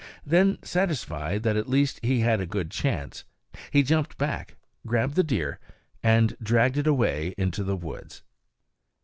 Then satisfied that, at least, he had a good chance, he jumped back, grabbed the deer, and dragged it away into the woods.